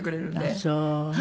ああそう。